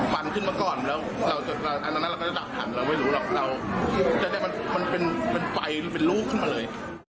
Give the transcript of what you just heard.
ฟันขึ้นมาก่อนแล้วเราก็ดับถังเราไม่รู้หรอกจะได้มันเป็นไฟเป็นลูกขึ้นมาเลย